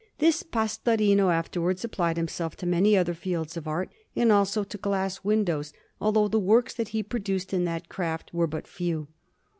This Pastorino afterwards applied himself to many other fields of art, and also to glass windows, although the works that he produced in that craft were but few.